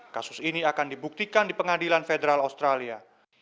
kasus ini akan dibuktikan di pengadilan federal australia